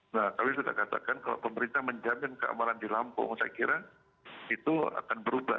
nah kami sudah katakan kalau pemerintah menjamin keamanan di lampung saya kira itu akan berubah